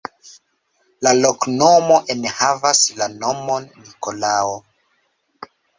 La loknomoj enhavas la nomon Nikolao.